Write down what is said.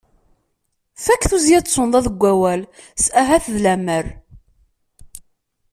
Fakk tuzzya d tunnḍa deg wawal s ahat d lemmer.